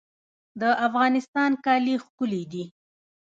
د افغانستان کالي ښکلي دي